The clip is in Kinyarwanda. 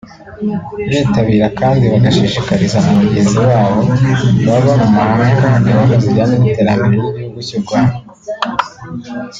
bitabira kandi bagashishikariza na bagenzi babo baba mu mahanga gahunda zijyanye n’iterambere ry’igihugu cy’u Rwanda